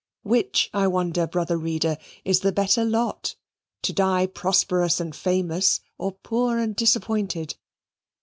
Which, I wonder, brother reader, is the better lot, to die prosperous and famous, or poor and disappointed?